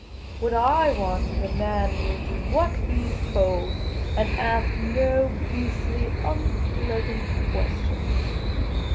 What / want is a man who will do what he 's told, and ask no beastly unpleasant questions.